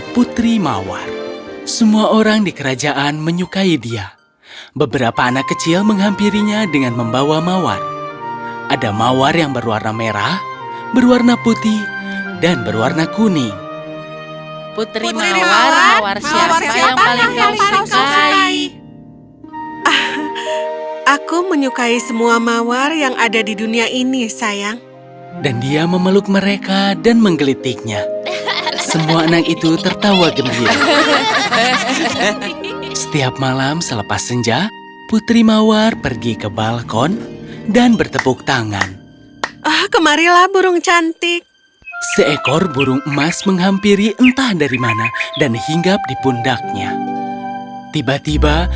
putri mawar ikut bernyanyi dan semua orang di kerajaan tertidur dan bermimpi indah hingga fajar tiba